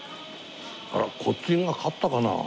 あっこっちが勝ったかな？